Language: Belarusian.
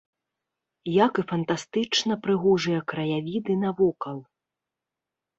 Як і фантастычна прыгожыя краявіды навокал.